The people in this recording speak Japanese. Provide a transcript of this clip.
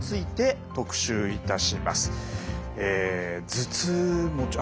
頭痛持ち